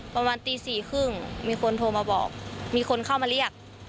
ประมาณตี๔๓๐มีคนโทรมาบอกมีคนเข้ามาเรียก